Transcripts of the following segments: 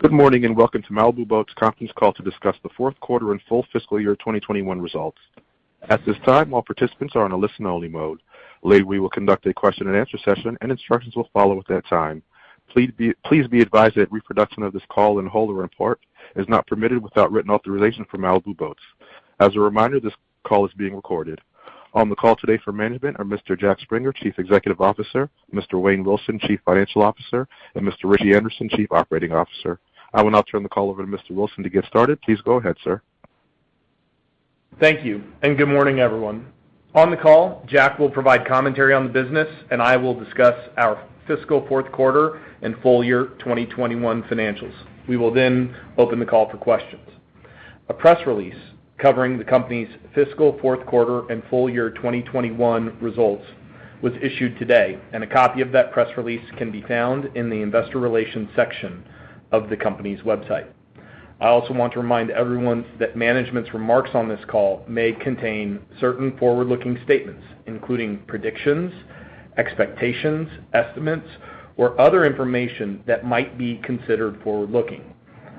Good morning, and welcome to Malibu Boats conference call to discuss the fourth quarter and full fiscal year 2021 results. At this time, all participants are on a listen-only mode. Later, we will conduct a question-and-answer session, and instructions will follow at that time. Please be advised that reproduction of this call in whole or in part is not permitted without written authorization from Malibu Boats. As a reminder, this call is being recorded. On the call today for management are Mr. Jack Springer, Chief Executive Officer, Mr. Wayne Wilson, Chief Financial Officer, and Mr. Ritchie Anderson, Chief Operating Officer. I will now turn the call over to Mr. Wilson to get started. Please go ahead, sir. Thank you. Good morning, everyone. On the call, Jack will provide commentary on the business, and I will discuss our fiscal fourth quarter and full year 2021 financials. We will open the call for questions. A press release covering the company's fiscal fourth quarter and full year 2021 results was issued today, and a copy of that press release can be found in the investor relations section of the company's website. I also want to remind everyone that management's remarks on this call may contain certain forward-looking statements. Including predictions, expectations, estimates, or other information that might be considered forward-looking,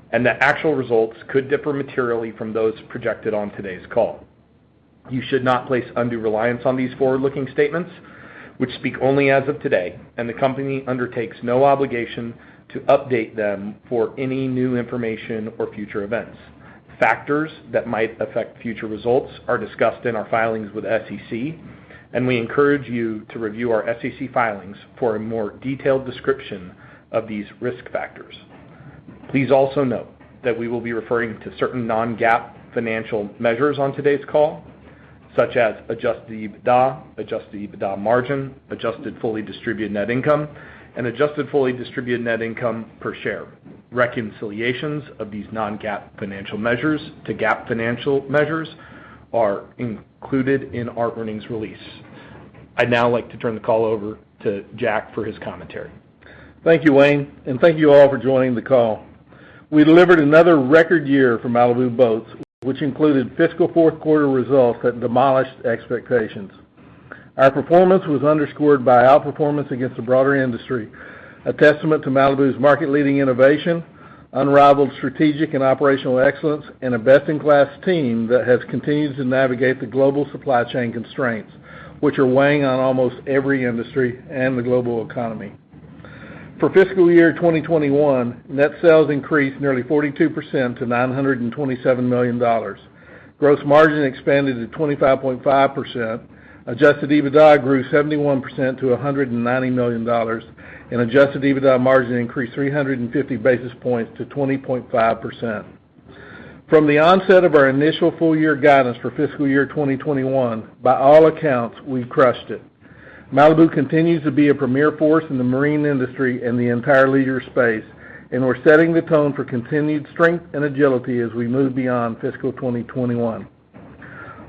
and that actual results could differ materially from those projected on today's call. You should not place undue reliance on these forward-looking statements, which speak only as of today. The company undertakes no obligation to update them for any new information or future events. Factors that might affect future results are discussed in our filings with SEC, and we encourage you to review our SEC filings for a more detailed description of these risk factors. Please also note that we will be referring to certain non-GAAP financial measures on today's call, such as adjusted EBITDA, adjusted EBITDA Margin, Adjusted Fully Distributed Net Income, and adjusted fully distributed net income per share. Reconciliations of these non-GAAP financial measures to GAAP financial measures are included in our earnings release. I'd now like to turn the call over to Jack for his commentary. Thank you, Wayne, and thank you all for joining the call. We delivered another record year for Malibu Boats, which included fiscal fourth quarter results that demolished expectations. Our performance was underscored by outperformance against the broader industry, a testament to Malibu's market-leading innovation, unrivaled strategic and operational excellence, and a best-in-class team that has continued to navigate the global supply chain constraints, which are weighing on almost every industry and the global economy. For fiscal year 2021, net sales increased nearly 42% to $927 million. Gross margin expanded to 25.5%, adjusted EBITDA grew 71% to $190 million, and adjusted EBITDA Margin increased 350 basis points to 20.5%. From the onset of our initial full-year guidance for fiscal year 2021, by all accounts, we crushed it. Malibu continues to be a premier force in the marine industry and the entire leisure space, and we're setting the tone for continued strength and agility as we move beyond fiscal 2021.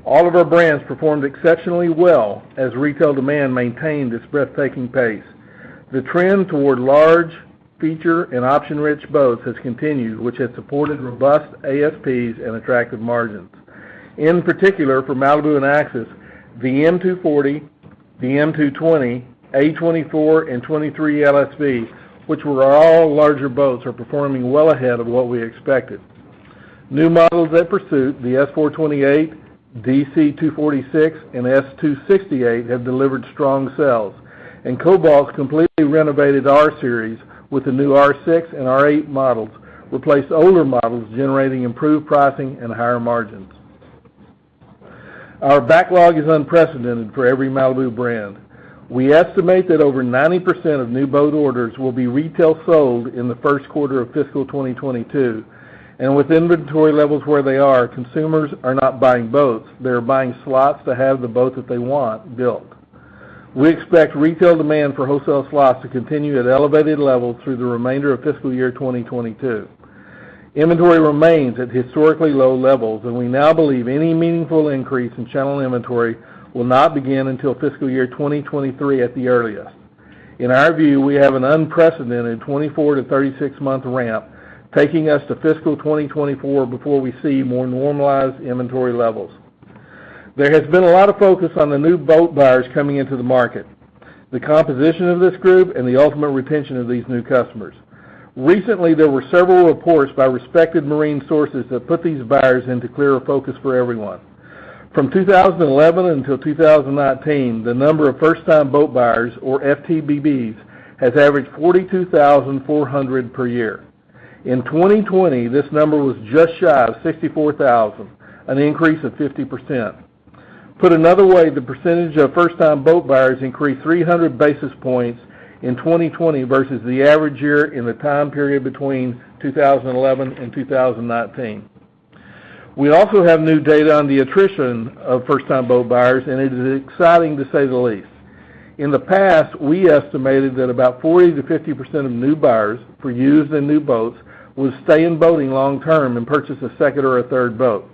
All of our brands performed exceptionally well as retail demand maintained its breathtaking pace. The trend toward large feature and option-rich boats has continued, which has supported robust ASPs and attractive margins. In particular, for Malibu and Axis, the M240, the M220, A24, and 23 LSV, which were all larger boats, are performing well ahead of what we expected. New models at Pursuit, the S 428, DC 246, and S 268, have delivered strong sales. And Cobalt's completely renovated R Series with the new R6 and R8 models, replaced older models, generating improved pricing and higher margins. Our backlog is unprecedented for every Malibu brand. We estimate that over 90% of new boat orders will be retail sold in the first quarter of fiscal 2022, and with inventory levels where they are, consumers are not buying boats. They are buying slots to have the boat that they want built. We expect retail demand for wholesale slots to continue at elevated levels through the remainder of fiscal year 2022. Inventory remains at historically low levels, and we now believe any meaningful increase in channel inventory will not begin until fiscal year 2023 at the earliest. In our view, we have an unprecedented 24-36-month ramp taking us to fiscal 2024 before we see more normalized inventory levels. There has been a lot of focus on the new boat buyers coming into the market, the composition of this group, and the ultimate retention of these new customers. Recently, there were several reports by respected marine sources that put these buyers into clearer focus for everyone. From 2011 until 2019, the number of first-time boat buyers, or FTBBs, has averaged 42,400 per year. In 2020, this number was just shy of 64,000, an increase of 50%. Put another way, the percentage of first-time boat buyers increased 300 basis points in 2020 versus the average year in the time period between 2011 and 2019. We also have new data on the attrition of first-time boat buyers, and it is exciting, to say the least. In the past, we estimated that about 40%-50% of new buyers for used and new boats would stay in boating long term and purchase a second or a third boat.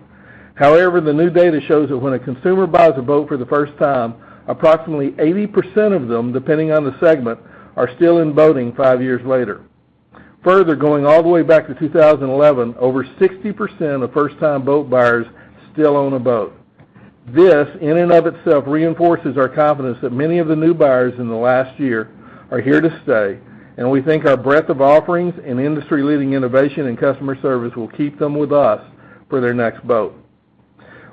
However, the new data shows that when a consumer buys a boat for the first time, approximately 80% of them, depending on the segment, are still in boating five years later. Further, going all the way back to 2011, over 60% of first-time boat buyers still own a boat. This in and of itself reinforces our confidence that many of the new buyers in the last year are here to stay. We think our breadth of offerings and industry-leading innovation and customer service will keep them with us for their next boat.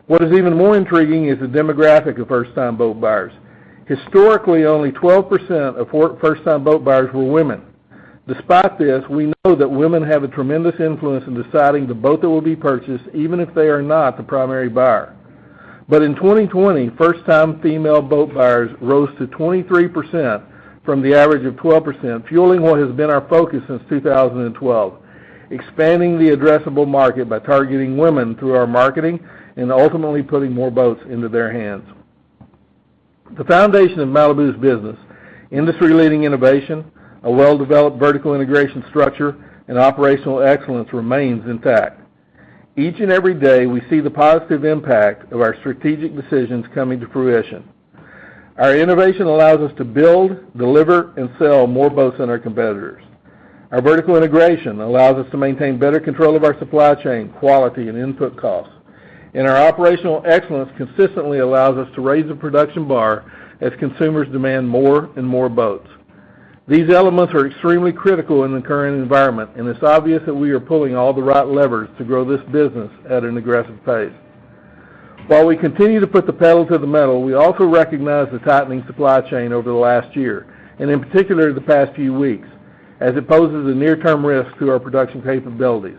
What is even more intriguing is the demographic of first-time boat buyers. Historically, only 12% of first-time boat buyers were women. Despite this, we know that women have a tremendous influence in deciding the boat that will be purchased, even if they are not the primary buyer. In 2020, first-time female boat buyers rose to 23% from the average of 12%, fueling what has been our focus since 2012, expanding the addressable market by targeting women through our marketing and ultimately putting more boats into their hands. The foundation of Malibu's business, industry-leading innovation, a well-developed vertical integration structure, and operational excellence remains intact. Each and every day, we see the positive impact of our strategic decisions coming to fruition. Our innovation allows us to build, deliver, and sell more boats than our competitors. Our vertical integration allows us to maintain better control of our supply chain, quality, and input costs. Our operational excellence consistently allows us to raise the production bar as consumers demand more and more boats. These elements are extremely critical in the current environment, and it's obvious that we are pulling all the right levers to grow this business at an aggressive pace. While we continue to put the pedal to the metal, we also recognize the tightening supply chain over the last year, and in particular, the past few weeks, as it poses a near-term risk to our production capabilities.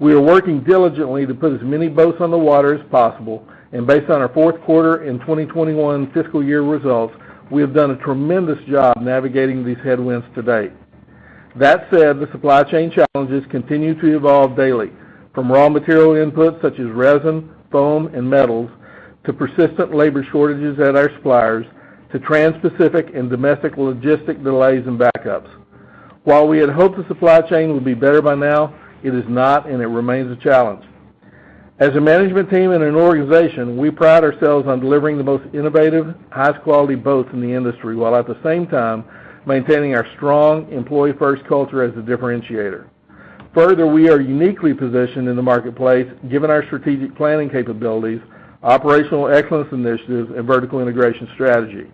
We are working diligently to put as many boats on the water as possible, and based on our fourth quarter and 2021 fiscal year results, we have done a tremendous job navigating these headwinds to date. That said, the supply chain challenges continue to evolve daily, from raw material inputs such as resin, foam, and metals, to persistent labor shortages at our suppliers, to transpacific and domestic logistic delays and backups. While we had hoped the supply chain would be better by now, it is not, and it remains a challenge. As a management team and an organization, we pride ourselves on delivering the most innovative, highest quality boats in the industry while at the same time maintaining our strong employee-first culture as a differentiator. We are uniquely positioned in the marketplace, given our strategic planning capabilities, operational excellence initiatives, and vertical integration strategy.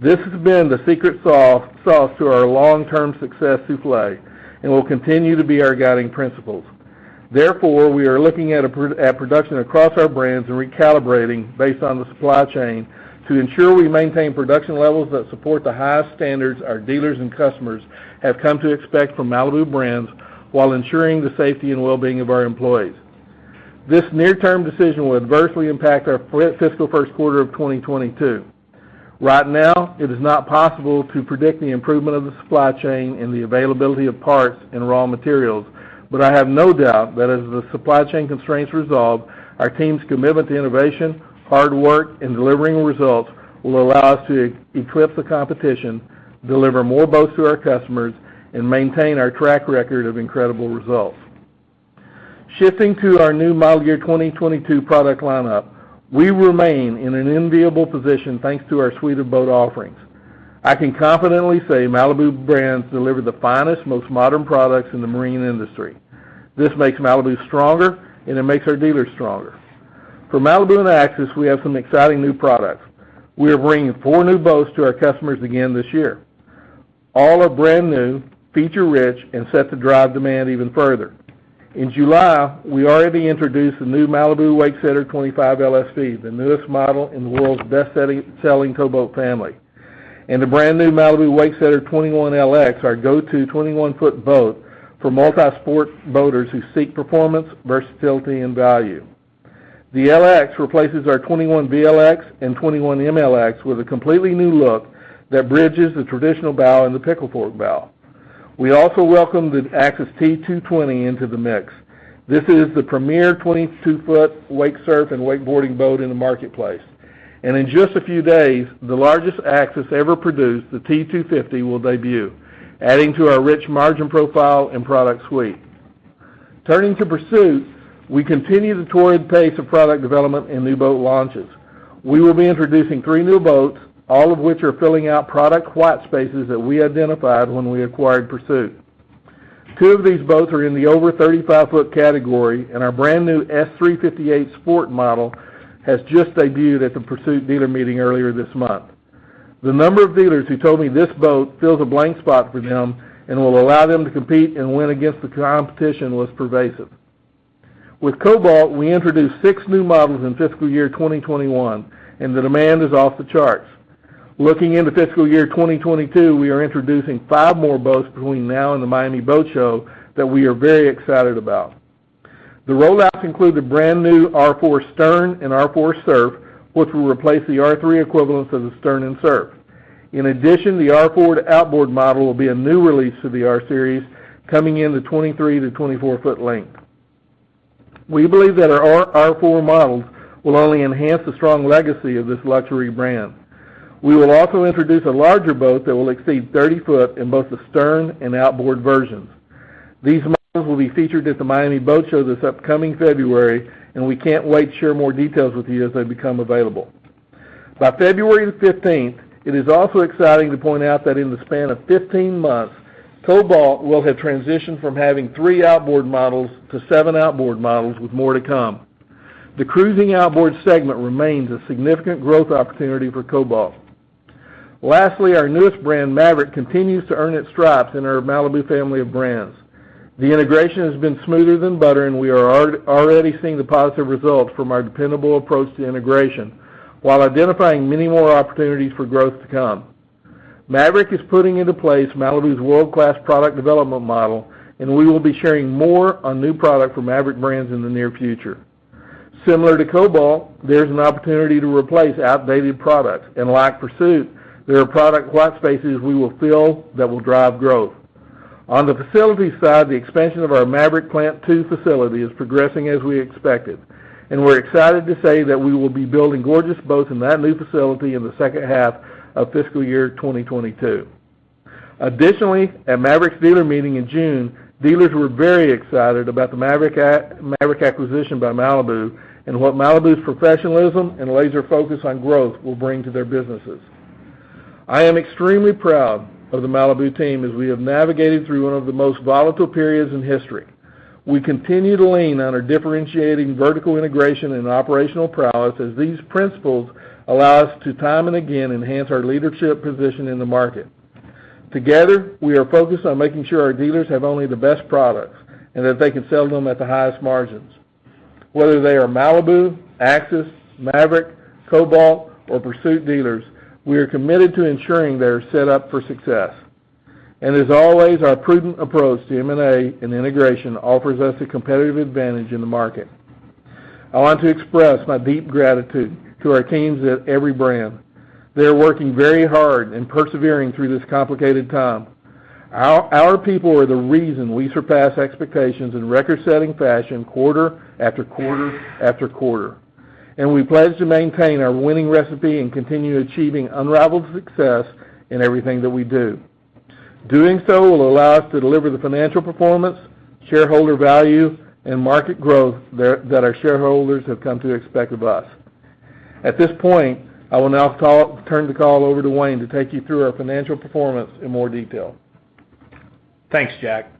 This has been the secret sauce to our long-term success so far and will continue to be our guiding principles. We are looking at production across our brands and recalibrating based on the supply chain to ensure we maintain production levels that support the highest standards our dealers and customers have come to expect from Malibu Brands while ensuring the safety and well-being of our employees. This near-term decision will adversely impact our fiscal first quarter of 2022. Right now, it is not possible to predict the improvement of the supply chain and the availability of parts and raw materials, but I have no doubt that as the supply chain constraints resolve, our team's commitment to innovation, hard work, and delivering results will allow us to eclipse the competition, deliver more boats to our customers, and maintain our track record of incredible results. Shifting to our new model year 2022 product lineup, we remain in an enviable position thanks to our suite of boat offerings. I can confidently say Malibu Brands deliver the finest, most modern products in the marine industry. This makes Malibu stronger and it makes our dealers stronger. For Malibu and Axis, we have some exciting new products. We are bringing four new boats to our customers again this year. All are brand new, feature-rich, and set to drive demand even further. In July, we already introduced the new Malibu Wakesetter 25 LSV, the newest model in the world's best-selling towboat family, and the brand-new Malibu Wakesetter 21 LX, our go-to 21-foot boat for multi-sport boaters who seek performance, versatility, and value. The LX replaces our 21 VLX and 21 MLX with a completely new look that bridges the traditional bow and the pickle fork bow. We also welcome the Axis T220 into the mix. This is the premier 22-foot wake surf and wakeboarding boat in the marketplace. In just a few days, the largest Axis ever produced, the T250, will debut, adding to our rich margin profile and product suite. Turning to Pursuit, we continue the torrid pace of product development and new boat launches. We will be introducing three new boats, all of which are filling out product white spaces that we identified when we acquired Pursuit. Two of these boats are in the over 35-foot category, and our brand-new S 358 Sport model has just debuted at the Pursuit dealer meeting earlier this month. The number of dealers who told me this boat fills a blank spot for them and will allow them to compete and win against the competition was pervasive. With Cobalt, we introduced 6 new models in FY 2021, and the demand is off the charts. Looking into FY 2022, we are introducing five more boats between now and the Miami Boat Show that we are very excited about. The rollouts include the brand-new R4 Stern and R4 Surf, which will replace the R3 equivalents of the Stern and Surf. In addition, the R4 Outboard model will be a new release to the R Series, coming in the 23-24 foot length. We believe that our R4 models will only enhance the strong legacy of this luxury brand. We will also introduce a larger boat that will exceed 30 ft in both the stern and outboard versions. These models will be featured at the Miami Boat Show this upcoming February, and we can't wait to share more details with you as they become available. By February 15th, it is also exciting to point out that in the span of 15 months, Cobalt will have transitioned from having three outboard models to seven outboard models, with more to come. The cruising outboard segment remains a significant growth opportunity for Cobalt. Lastly, our newest brand, Maverick, continues to earn its stripes in our Malibu family of brands. The integration has been smoother than butter. We are already seeing the positive results from our dependable approach to integration while identifying many more opportunities for growth to come. Maverick is putting into place Malibu's world-class product development model. We will be sharing more on new product from Maverick Brands in the near future. Similar to Cobalt, there's an opportunity to replace outdated products. In like Pursuit, there are product white spaces we will fill that will drive growth. On the facility side, the expansion of our Maverick Plant two facility is progressing as we expected. We're excited to say that we will be building gorgeous boats in that new facility in the second half of fiscal year 2022. Additionally, at Maverick's dealer meeting in June, dealers were very excited about the Maverick acquisition by Malibu and what Malibu's professionalism and laser focus on growth will bring to their businesses. I am extremely proud of the Malibu team as we have navigated through one of the most volatile periods in history. We continue to lean on our differentiating vertical integration and operational prowess, as these principles allow us to time and again enhance our leadership position in the market. Together, we are focused on making sure our dealers have only the best products and that they can sell them at the highest margins. Whether they are Malibu, Axis, Maverick, Cobalt, or Pursuit dealers, we are committed to ensuring they are set up for success. As always, our prudent approach to M&A and integration offers us a competitive advantage in the market. I want to express my deep gratitude to our teams at every brand. They are working very hard and persevering through this complicated time. Our people are the reason we surpass expectations in record-setting fashion quarter after quarter after quarter. We pledge to maintain our winning recipe and continue achieving unrivaled success in everything that we do. Doing so will allow us to deliver the financial performance, shareholder value, and market growth that our shareholders have come to expect of us. At this point, I will now turn the call over to Wayne to take you through our financial performance in more detail. Thanks, Jack.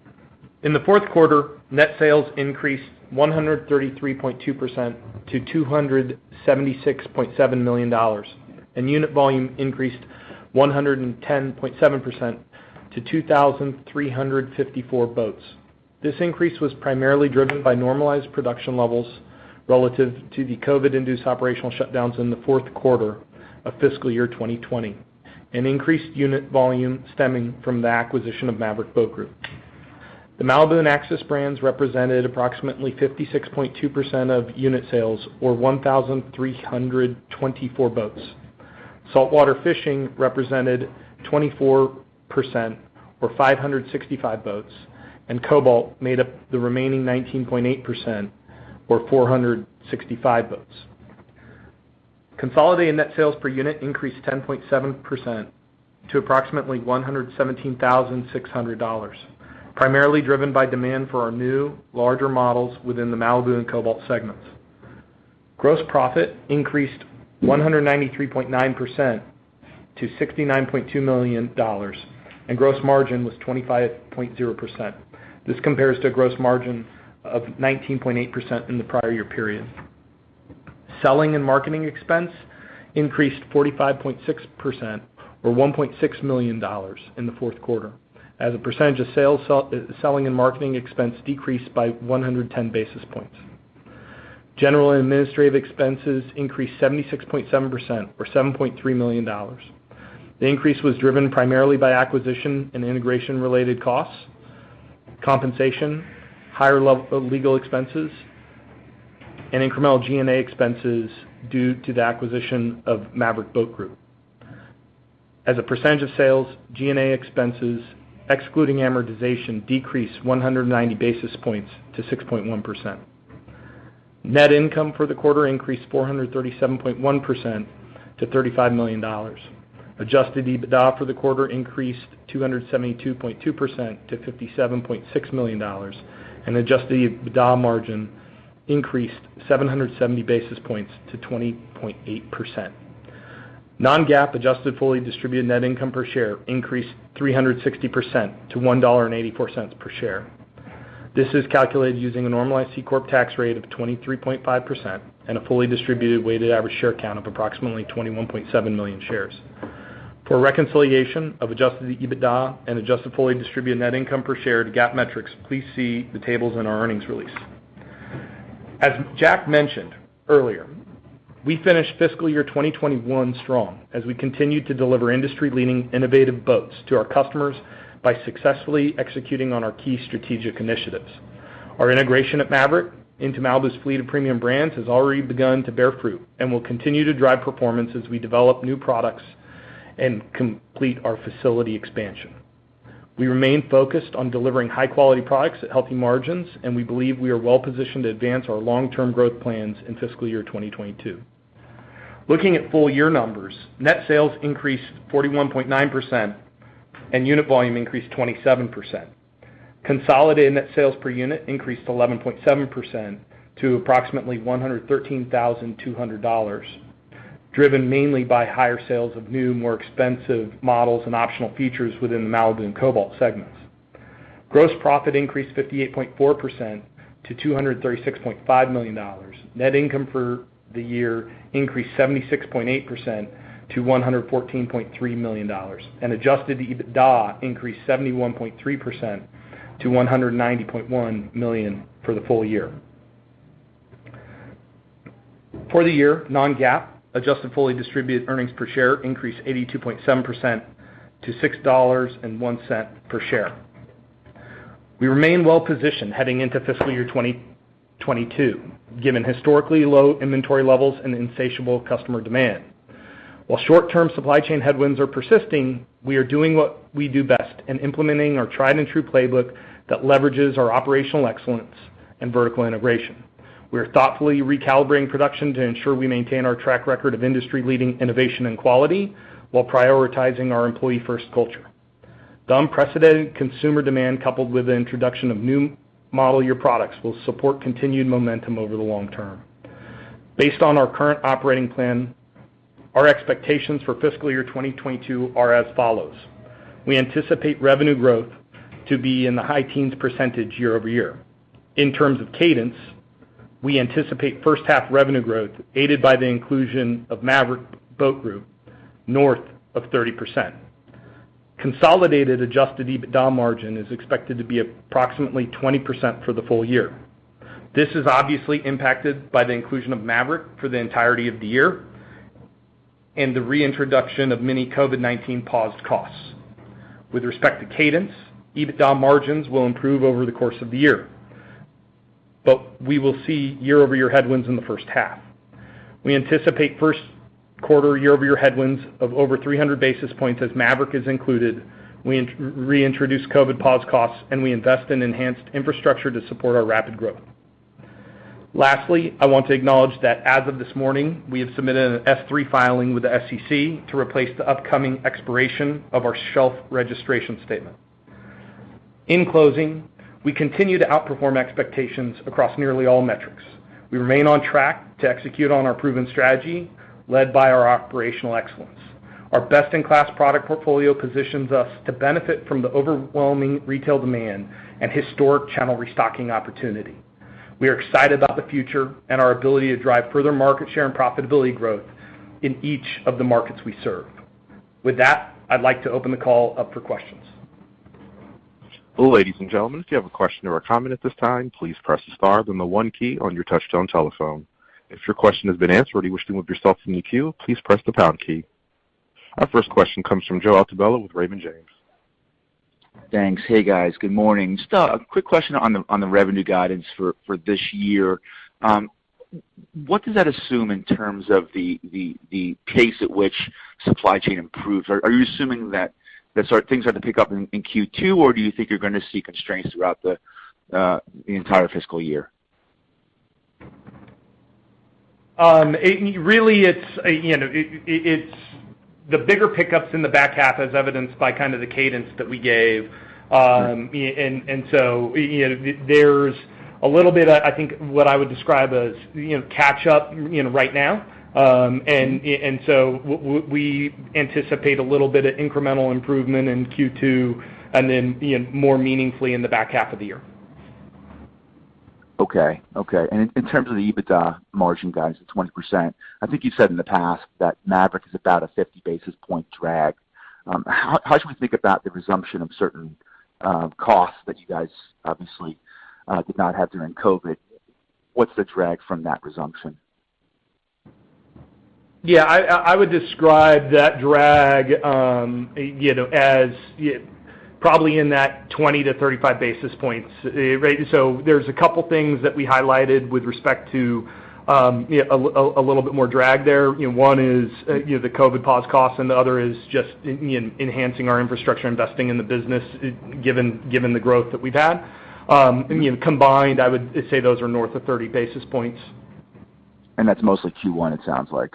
In the fourth quarter, net sales increased 133.2% to $276.7 million, and unit volume increased 110.7% to 2,354 boats. This increase was primarily driven by normalized production levels relative to the COVID-induced operational shutdowns in the fourth quarter of fiscal year 2020, and increased unit volume stemming from the acquisition of Maverick Boat Group. The Malibu and Axis brands represented approximately 56.2% of unit sales or 1,324 boats. Saltwater Fishing represented 24% or 565 boats, and Cobalt made up the remaining 19.8% or 465 boats. Consolidating net sales per unit increased 10.7% to approximately $117,600, primarily driven by demand for our new larger models within the Malibu and Cobalt segments. Gross profit increased 193.9% to $69.2 million, and gross margin was 25.0%. This compares to gross margin of 19.8% in the prior year period. Selling and marketing expense increased 45.6% or $1.6 million in the fourth quarter. As a percentage of selling and marketing expense decreased by 110 basis points. General and administrative expenses increased 76.7% or $7.3 million. The increase was driven primarily by acquisition and integration related costs, compensation, higher level legal expenses, and incremental G&A expenses due to the acquisition of Maverick Boat Group. As a percentage of sales, G&A expenses, excluding amortization, decreased 190 basis points to 6.1%. Net income for the quarter increased 437.1% to $35 million. Adjusted EBITDA for the quarter increased 272.2% to $57.6 million, and adjusted EBITDA Margin increased 770 basis points to 20.8%. Non-GAAP adjusted fully distributed net income per share increased 360% to $1.84 per share. This is calculated using a normalized C Corp tax rate of 23.5% and a fully distributed weighted average share count of approximately 21.7 million shares. For a reconciliation of adjusted EBITDA and adjusted fully distributed net income per share to GAAP metrics, please see the tables in our earnings release. As Jack mentioned earlier, we finished fiscal year 2021 strong as we continued to deliver industry-leading innovative boats to our customers by successfully executing on our key strategic initiatives. Our integration of Maverick into Malibu's fleet of premium brands has already begun to bear fruit and will continue to drive performance as we develop new products and complete our facility expansion. We remain focused on delivering high-quality products at healthy margins, and we believe we are well-positioned to advance our long-term growth plans in fiscal year 2022. Looking at full-year numbers, net sales increased 41.9% and unit volume increased 27%. Consolidated net sales per unit increased 11.7% to approximately $113,200, driven mainly by higher sales of new, more expensive models and optional features within the Malibu and Cobalt segments. Gross profit increased 58.4% to $236.5 million. Net income for the year increased 76.8% to $114.3 million, and adjusted EBITDA increased 71.3% to $190.1 million for the full year. For the year, non-GAAP adjusted fully distributed earnings per share increased 82.7% to $6.01 per share. We remain well-positioned heading into fiscal year 2022, given historically low inventory levels and insatiable customer demand. While short-term supply chain headwinds are persisting, we are doing what we do best and implementing our tried-and-true playbook that leverages our operational excellence and vertical integration. We are thoughtfully recalibrating production to ensure we maintain our track record of industry-leading innovation and quality, while prioritizing our employee-first culture. The unprecedented consumer demand, coupled with the introduction of new model year products, will support continued momentum over the long term. Based on our current operating plan, our expectations for fiscal year 2022 are as follows. We anticipate revenue growth to be in the high teens% year-over-year. In terms of cadence, we anticipate first half revenue growth, aided by the inclusion of Maverick Boat Group, north of 30%. Consolidated adjusted EBITDA Margin is expected to be approximately 20% for the full year. This is obviously impacted by the inclusion of Maverick for the entirety of the year and the reintroduction of many COVID-19 paused costs. With respect to cadence, EBITDA margins will improve over the course of the year, but we will see year-over-year headwinds in the first half. We anticipate first quarter year-over-year headwinds of over 300 basis points as Maverick is included, we reintroduce COVID paused costs, and we invest in enhanced infrastructure to support our rapid growth. Lastly, I want to acknowledge that as of this morning, we have submitted an S-3 filing with the SEC to replace the upcoming expiration of our shelf registration statement. In closing, we continue to outperform expectations across nearly all metrics. We remain on track to execute on our proven strategy, led by our operational excellence. Our best-in-class product portfolio positions us to benefit from the overwhelming retail demand and historic channel restocking opportunity. We are excited about the future and our ability to drive further market share and profitability growth in each of the markets we serve. With that, I'd like to open the call up for questions. Ladies and gentlemen, if you have a question or a comment at this time, please press star then the one key on your touchtone telephone. If your question has been answered or you wish to remove yourself from the queue, please press the pound key. Our first question comes from Joe Altobello with Raymond James. Thanks. Hey, guys. Good morning. Just a quick question on the revenue guidance for this year. What does that assume in terms of the pace at which supply chain improves? Are you assuming that things have to pick up in Q2, or do you think you're going to see constraints throughout the entire fiscal year? Really, it's the bigger pickups in the back half, as evidenced by kind of the cadence that we gave. There's a little bit, I think what I would describe as catch-up right now. We anticipate a little bit of incremental improvement in Q2, and then more meaningfully in the back half of the year. Okay. In terms of the EBITDA margin, guys, it's 1%. I think you said in the past that Maverick is about a 50 basis point drag. How should we think about the resumption of certain costs that you guys obviously did not have during COVID? What's the drag from that resumption? Yeah, I would describe that drag as probably in that 20-35 basis points. There's a couple things that we highlighted with respect to a little bit more drag there. One is the COVID paused costs, and the other is just enhancing our infrastructure, investing in the business, given the growth that we've had. Combined, I would say those are north of 30 basis points. That's mostly Q1, it sounds like.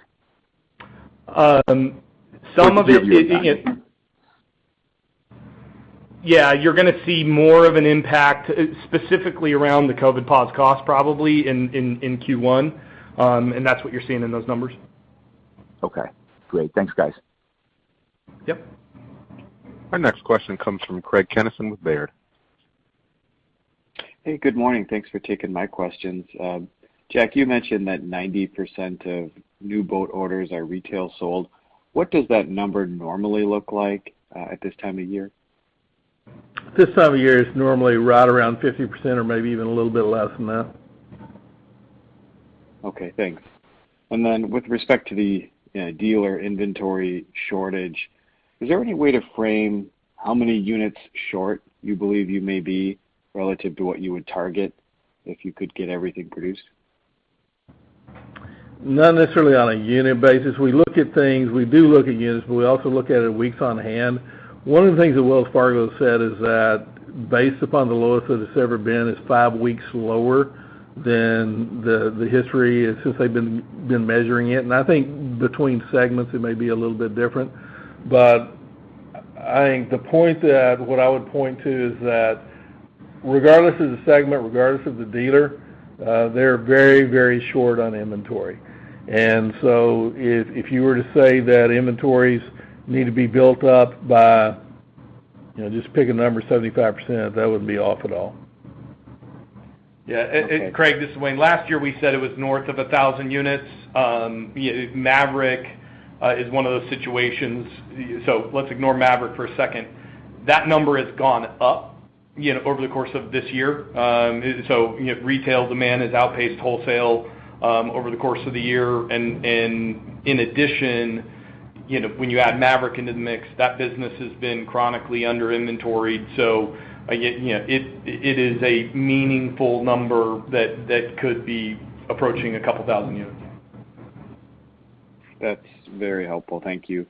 Some of it. Year-over-year. Yeah, you're going to see more of an impact specifically around the COVID paused cost probably in Q1, and that's what you're seeing in those numbers. Okay, great. Thanks, guys. Yep. Our next question comes from Craig Kennison with Baird. Hey, good morning. Thanks for taking my questions. Jack, you mentioned that 90% of new boat orders are retail sold. What does that number normally look like at this time of year? This time of year, it's normally right around 50% or maybe even a little bit less than that. Okay, thanks. With respect to the dealer inventory shortage, is there any way to frame how many units short you believe you may be relative to what you would target if you could get everything produced? Not necessarily on a unit basis. We do look at units, but we also look at it weeks on hand. Five of the things that Wells Fargo said is that based upon the lowest that it's ever been, it's five weeks lower than the history since they've been measuring it. I think between segments, it may be a little bit different. I think what I would point to is that regardless of the segment, regardless of the dealer, they're very short on inventory. If you were to say that inventories need to be built up by, just pick a number, 75%, that wouldn't be off at all. Yeah. Craig, this is Wayne. Last year we said it was north of 1,000 units. Maverick is one of those situations. Let's ignore Maverick for a second. That number has gone up over the course of this year. Retail demand has outpaced wholesale over the course of the year, and in addition, when you add Maverick into the mix, that business has been chronically under inventoried. It is a meaningful number that could be approaching a couple thousand units. That's very helpful. Thank you.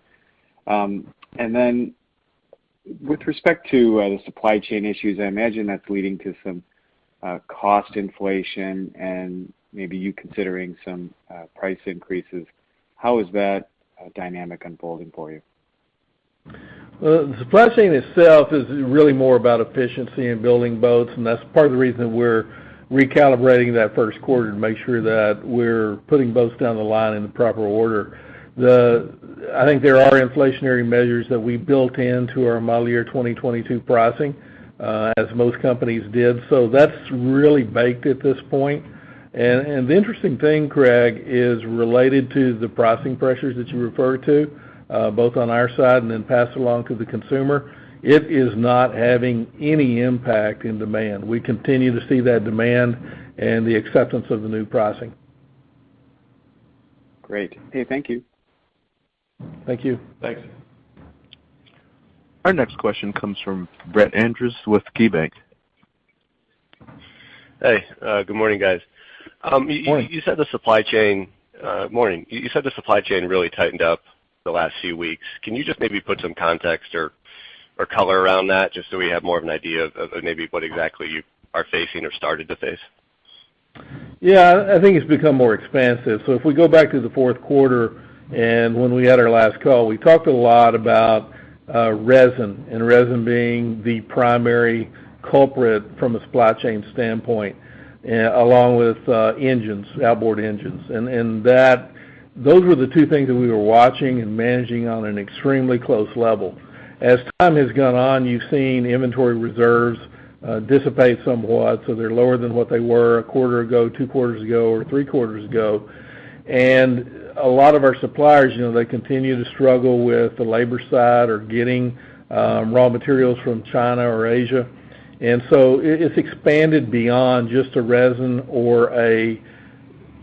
With respect to the supply chain issues, I imagine that's leading to some cost inflation and maybe you considering some price increases. How is that dynamic unfolding for you? The supply chain itself is really more about efficiency and building boats, and that's part of the reason we're recalibrating that first quarter to make sure that we're putting boats down the line in the proper order. I think there are inflationary measures that we built into our model year 2022 pricing, as most companies did. That's really baked at this point. The interesting thing, Craig, is related to the pricing pressures that you refer to, both on our side and then passed along to the consumer. It is not having any impact in demand. We continue to see that demand and the acceptance of the new pricing. Great. Okay. Thank you. Thank you. Thanks. Our next question comes from Brett Andress with KeyBanc. Hey, good morning, guys. Morning. Morning. You said the supply chain really tightened up the last few weeks. Can you just maybe put some context or color around that just so we have more of an idea of maybe what exactly you are facing or started to face? Yeah, I think it's become more expansive. If we go back to the fourth quarter and when we had our last call, we talked a lot about resin and resin being the primary culprit from a supply chain standpoint along with engines, outboard engines. Those were the 2 things that we were watching and managing on an extremely close level. As time has gone on, you've seen inventory reserves dissipate somewhat, so they're lower than what they were a quarter ago, two quarters ago, or three quarters ago. A lot of our suppliers, they continue to struggle with the labor side or getting raw materials from China or Asia. It's expanded beyond just a resin or an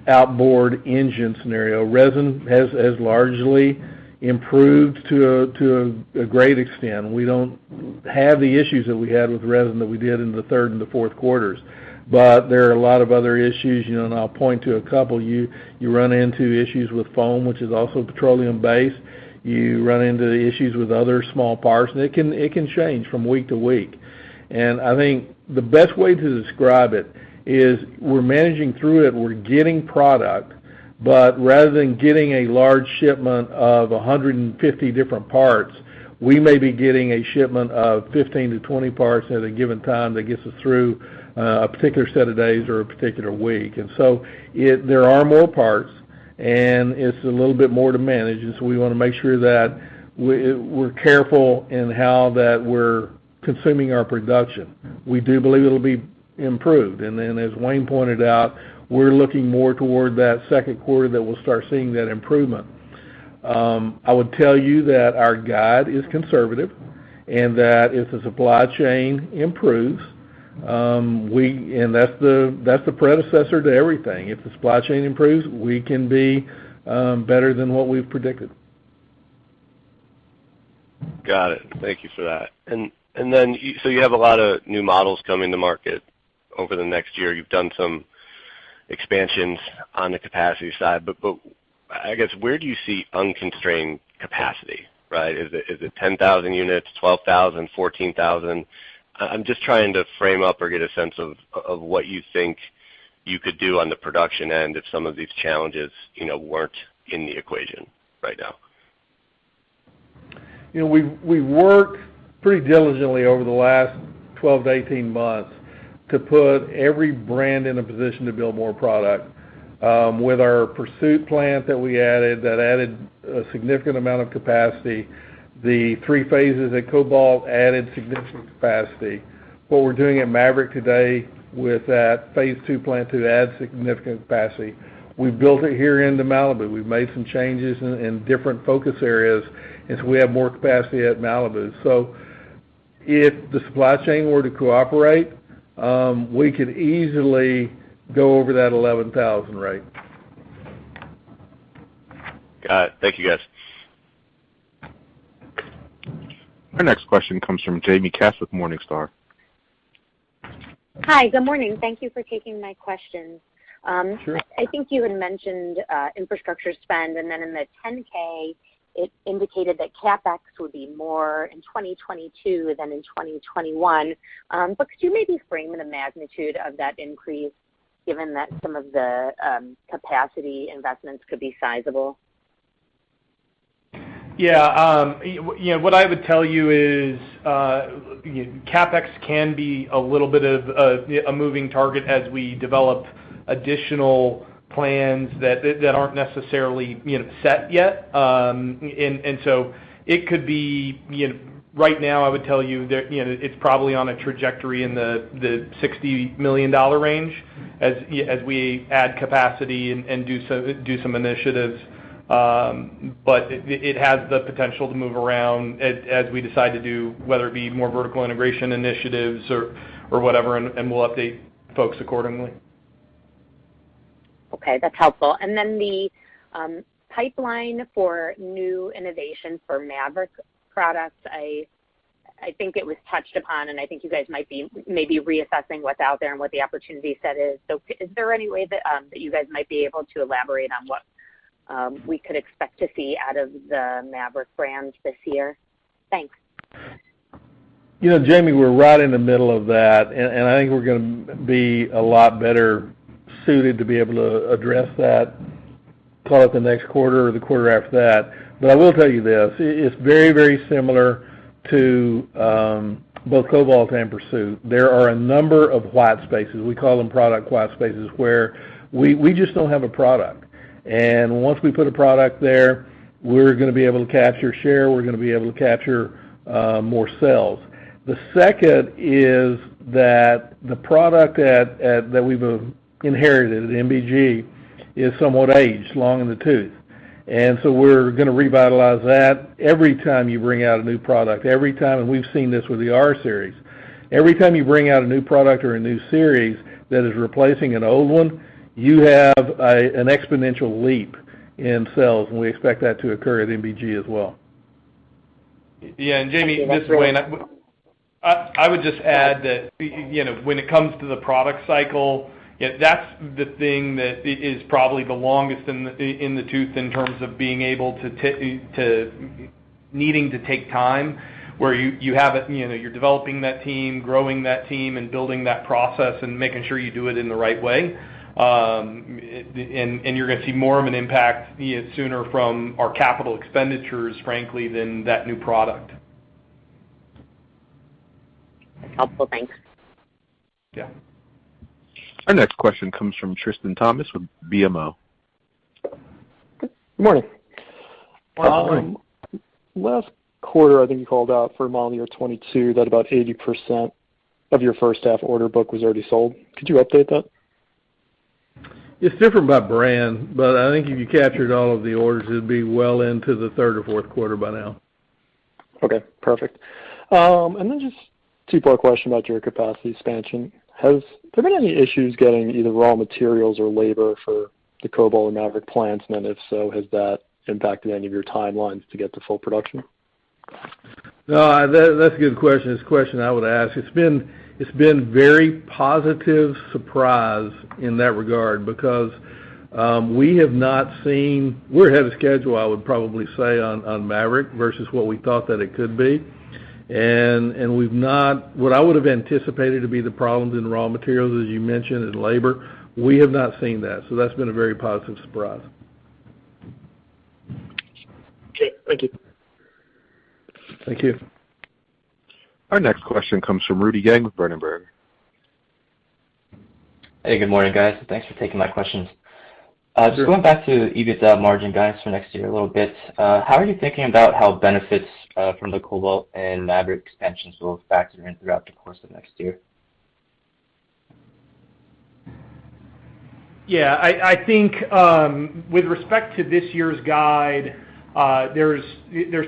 outboard engine scenario. Resin has largely improved to a great extent. We don't have the issues that we had with resin that we did in the 3rd and fourth quarters. There are a lot of other issues, and I'll point to a couple. You run into issues with foam, which is also petroleum-based. You run into the issues with other small parts, and it can change from week to week. I think the best way to describe it is we're managing through it. We're getting product, but rather than getting a large shipment of 150 different parts, we may be getting a shipment of 15-20 parts at a given time that gets us through a particular set of days or a particular week. There are more parts, and it's a little bit more to manage. We want to make sure that we're careful in how that we're consuming our production. We do believe it'll be improved. As Wayne pointed out, we're looking more toward that second quarter that we'll start seeing that improvement. I would tell you that our guide is conservative, and that if the supply chain improves, and that's the predecessor to everything. If the supply chain improves, we can be better than what we've predicted. Got it. Thank you for that. You have a lot of new models coming to market over the next year. You've done some expansions on the capacity side. I guess where do you see unconstrained capacity, right? Is it 10,000 units, 12,000, 14,000? I'm just trying to frame up or get a sense of what you think you could do on the production end if some of these challenges weren't in the equation right now. We worked pretty diligently over the last 12-18 months to put every brand in a position to build more product. With our Pursuit plant that we added, that added a significant amount of capacity. The three phases at Cobalt added significant capacity. What we're doing at Maverick today with that phase two plant to add significant capacity. We built it here into Malibu. We've made some changes in different focus areas, and so we have more capacity at Malibu. If the supply chain were to cooperate, we could easily go over that 11,000 rate. Got it. Thank you, guys. Our next question comes from Jaime Katz with Morningstar. Hi. Good morning. Thank you for taking my questions. I think you had mentioned infrastructure spend. In the 10-K, it indicated that CapEx would be more in 2022 than in 2021. Could you maybe frame the magnitude of that increase? Given that some of the capacity investments could be sizable? Yeah. What I would tell you is, CapEx can be a little bit of a moving target as we develop additional plans that aren't necessarily set yet. Right now, I would tell you that it's probably on a trajectory in the $60 million range as we add capacity and do some initiatives. It has the potential to move around as we decide to do, whether it be more vertical integration initiatives or whatever, and we'll update folks accordingly. Okay, that's helpful. The pipeline for new innovation for Maverick products, I think it was touched upon, and I think you guys might be maybe reassessing what's out there and what the opportunity set is. Is there any way that you guys might be able to elaborate on what we could expect to see out of the Maverick brand this year? Thanks. Jaime, we're right in the middle of that. I think we're going to be a lot better suited to be able to address that call it the next quarter or the quarter after that. I will tell you this, it's very, very similar to both Cobalt and Pursuit. There are a number of white spaces, we call them product white spaces, where we just don't have a product. Once we put a product there, we're going to be able to capture share, we're going to be able to capture more sales. The second is that the product that we've inherited at MBG is somewhat aged, long in the tooth. We're going to revitalize that. Every time you bring out a new product, we've seen this with the R Series. Every time you bring out a new product or a new series that is replacing an old one, you have an exponential leap in sales, and we expect that to occur at MBG as well. Yeah. Jaime, this is Wayne. I would just add that when it comes to the product cycle, that's the thing that is probably the longest in the tooth in terms of needing to take time, where you're developing that team, growing that team, and building that process and making sure you do it in the right way. You're going to see more of an impact sooner from our capital expenditures, frankly, than that new product. That's helpful. Thanks. Yeah. Our next question comes from Tristan Thomas with BMO. Good morning. Good morning. Last quarter, I think you called out for model year 2022 that about 80% of your first half order book was already sold. Could you update that? It's different by brand, but I think if you captured all of the orders, it'd be well into the third or fourth quarter by now. Okay, perfect. Just two-part question about your capacity expansion. Has there been any issues getting either raw materials or labor for the Cobalt and Maverick plants? If so, has that impacted any of your timelines to get to full production? That's a good question. It's a question I would ask. It's been very positive surprise in that regard because we're ahead of schedule, I would probably say, on Maverick versus what we thought that it could be. What I would've anticipated to be the problems in raw materials, as you mentioned, and labor, we have not seen that. That's been a very positive surprise. Okay. Thank you. Thank you. Our next question comes from Rudy Yang with Berenberg. Hey, good morning, guys. Thanks for taking my questions. Sure. Just going back to adjusted EBITDA margin guidance for next year a little bit, how are you thinking about how benefits from the Cobalt and Maverick expansions will factor in throughout the course of next year? Yeah, I think with respect to this year's guide, there's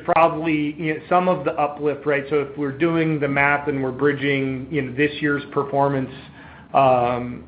probably some of the uplift, right? If we're doing the math and we're bridging this year's performance or,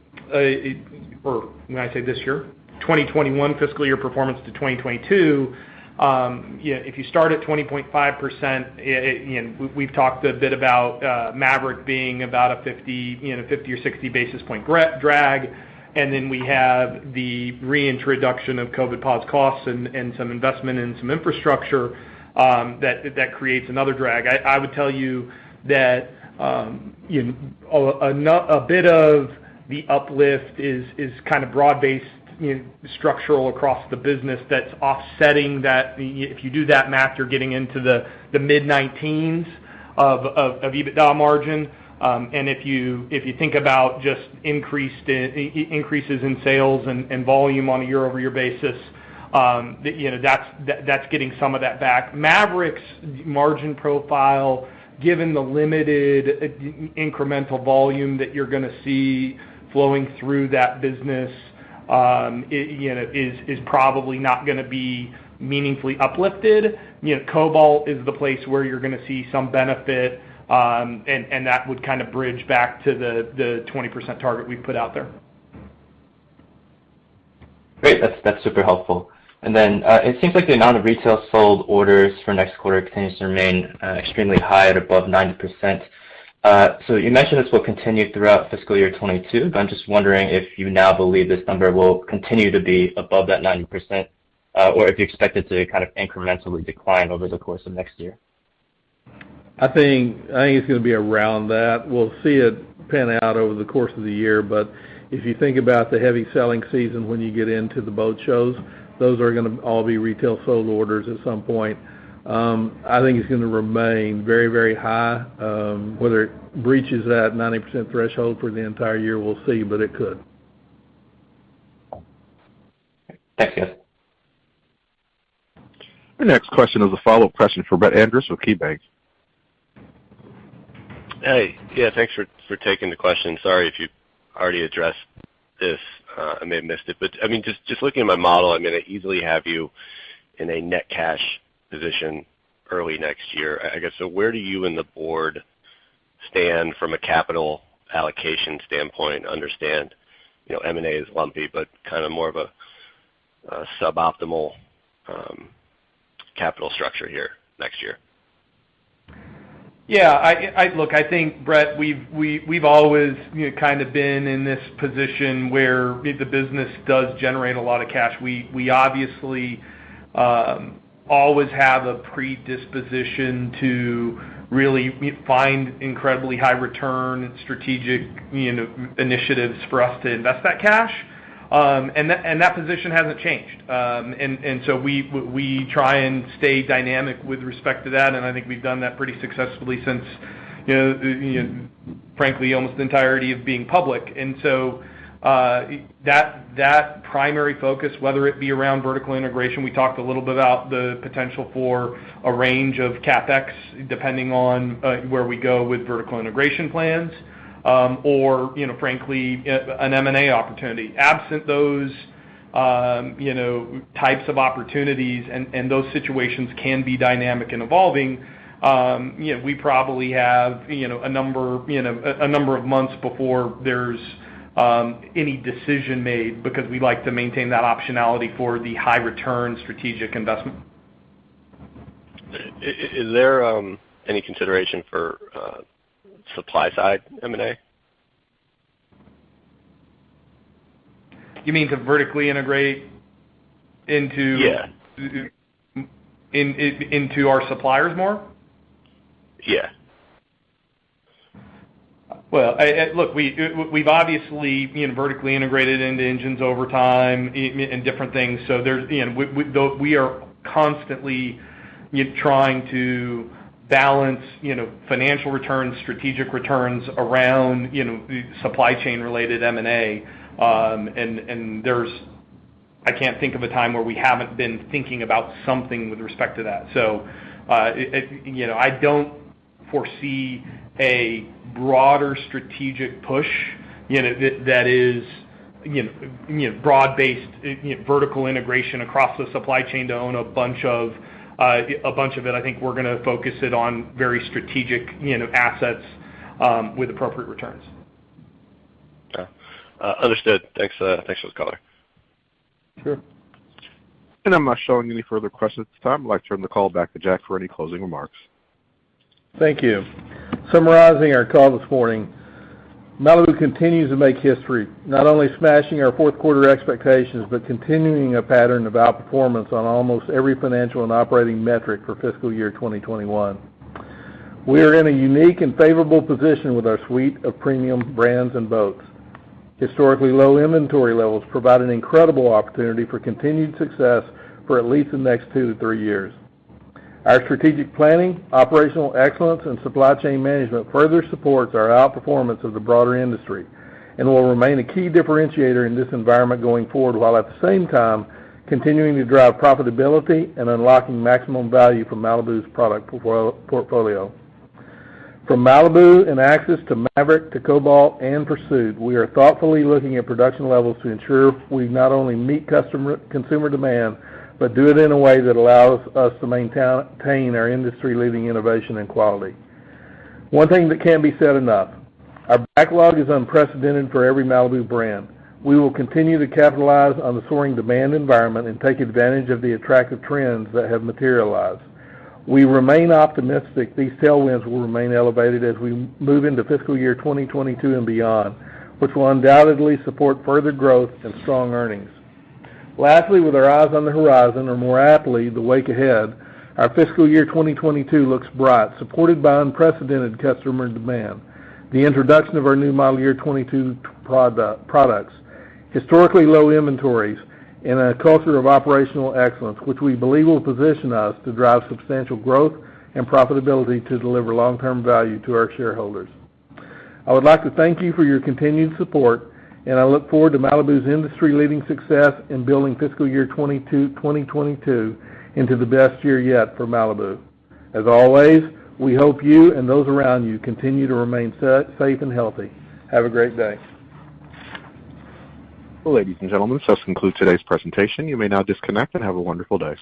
may I say this year, 2021 fiscal year performance to 2022. If you start at 20.5%, we've talked a bit about Maverick being about a 50 or 60 basis point drag, and then we have the reintroduction of COVID pause costs and some investment in some infrastructure, that creates another drag. I would tell you that a bit of the uplift is kind of broad-based structural across the business that's offsetting that. If you do that math, you're getting into the mid-19s of EBITDA margin. If you think about just increases in sales and volume on a year-over-year basis, that's getting some of that back. Maverick's margin profile, given the limited incremental volume that you're going to see flowing through that business is probably not going to be meaningfully uplifted. Cobalt is the place where you're going to see some benefit, and that would kind of bridge back to the 20% target we put out there. Great. That's super helpful. It seems like the amount of retail sold orders for next quarter continues to remain extremely high at above 90%. You mentioned this will continue throughout fiscal year 2022, but I'm just wondering if you now believe this number will continue to be above that 90%, or if you expect it to kind of incrementally decline over the course of next year. I think it's going to be around that. We'll see it pan out over the course of the year. If you think about the heavy selling season when you get into the boat shows, those are going to all be retail sold orders at some point. I think it's going to remain very high. Whether it breaches that 90% threshold for the entire year, we'll see, but it could. Thank you. The next question is a follow-up question for Brett Andress with KeyBanc. Hey. Yeah, thanks for taking the question. Sorry if you already addressed this. I may have missed it, but just looking at my model, I easily have you in a net cash position early next year. Where do you and the board stand from a capital allocation standpoint? Understand M&A is lumpy, but more of a suboptimal capital structure here next year. Look, I think, Brett, we've always been in this position where the business does generate a lot of cash. We obviously always have a predisposition to really find incredibly high return strategic initiatives for us to invest that cash, and that position hasn't changed. We try and stay dynamic with respect to that, and I think we've done that pretty successfully since, frankly, almost the entirety of being public. That primary focus, whether it be around vertical integration, we talked a little bit about the potential for a range of CapEx, depending on where we go with vertical integration plans or frankly, an M&A opportunity. Absent those types of opportunities and those situations can be dynamic and evolving, we probably have a number of months before there's any decision made because we like to maintain that optionality for the high return strategic investment. Is there any consideration for supply side M&A? You mean to vertically integrate into into our suppliers more? Yeah. Look, we've obviously vertically integrated into engines over time and different things. We are constantly trying to balance financial returns, strategic returns around supply chain related M&A. I can't think of a time where we haven't been thinking about something with respect to that. I don't foresee a broader strategic push that is broad-based vertical integration across the supply chain to own a bunch of it. I think we're going to focus it on very strategic assets with appropriate returns. Yeah. Understood. Thanks for this call. Sure. I'm not showing any further questions at this time. I'd like to turn the call back to Jack for any closing remarks. Thank you. Summarizing our call this morning, Malibu continues to make history, not only smashing our fourth quarter expectations, but continuing a pattern of outperformance on almost every financial and operating metric for fiscal year 2021. We are in a unique and favorable position with our suite of premium brands and boats. Historically low inventory levels provide an incredible opportunity for continued success for at least the next two to three years. Our strategic planning, operational excellence, and supply chain management further supports our outperformance of the broader industry and will remain a key differentiator in this environment going forward, while at the same time continuing to drive profitability and unlocking maximum value from Malibu's product portfolio. From Malibu and Axis to Maverick to Cobalt and Pursuit, we are thoughtfully looking at production levels to ensure we not only meet consumer demand, but do it in a way that allows us to maintain our industry-leading innovation and quality. One thing that can't be said enough, our backlog is unprecedented for every Malibu brand. We will continue to capitalize on the soaring demand environment and take advantage of the attractive trends that have materialized. We remain optimistic these tailwinds will remain elevated as we move into fiscal year 2022 and beyond, which will undoubtedly support further growth and strong earnings. Lastly, with our eyes on the horizon, or more aptly, the wake ahead, our fiscal year 2022 looks bright, supported by unprecedented customer demand, the introduction of our new model year 2022 products, historically low inventories, and a culture of operational excellence, which we believe will position us to drive substantial growth and profitability to deliver long-term value to our shareholders. I would like to thank you for your continued support, and I look forward to Malibu's industry-leading success in building fiscal year 2022 into the best year yet for Malibu. As always, we hope you and those around you continue to remain safe and healthy. Have a great day. Ladies and gentlemen, this concludes today's presentation. You may now disconnect, and have a wonderful day.